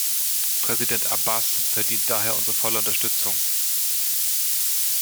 Präsident Abbas verdient daher unsere volle Unterstützung.